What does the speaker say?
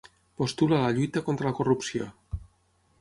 Postula la lluita contra la corrupció.